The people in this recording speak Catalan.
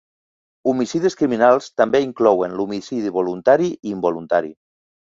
Homicidis criminals també inclouen l'homicidi voluntari i involuntari.